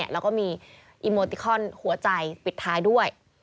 แล้วก็มีอีโมติคอนหัวใจปิดท้ายด้วย